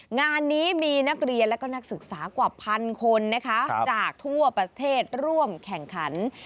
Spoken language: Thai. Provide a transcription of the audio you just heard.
งานนี้มีนักเรียนและก็นักศึกษากว่าพันคนนะคะจากทั่วประเทศร่วมแข่งขัน